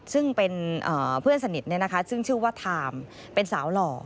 ซึ่งเป็นเพื่อนสนิทซึ่งชื่อว่าไทม์เป็นสาวหล่อ